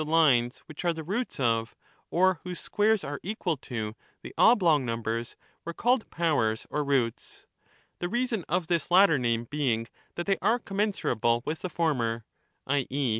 lines which are the roots of (or whose squares are equal to) the oblong numbers, were called powers or roots ; the reason of this latter name being, that they are commensurable with the former [i. e.